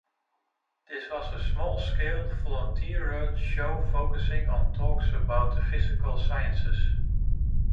This was a small scale, volunteer-run show focusing on talks about the physical sciences.